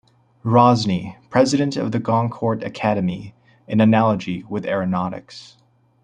Rosny, president of the Goncourt academy, in analogy with aeronautics.